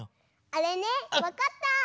あれねわかった！